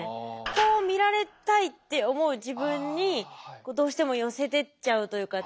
こう見られたいって思う自分にどうしても寄せてっちゃうというか。